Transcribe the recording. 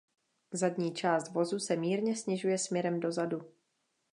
Zadní část vozu se mírně snižuje směrem dozadu.